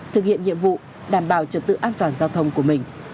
thực hiện nhiệm vụ đảm bảo trật tự an toàn giao thông của mình